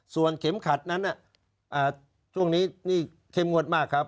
ส่วนเข็มขัดนั้นช่วงนี้นี่เข้มงวดมากครับ